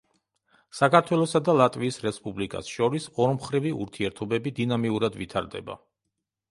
საქართველოსა და ლატვიის რესპუბლიკას შორის ორმხრივი ურთიერთობები დინამიურად ვითარდება.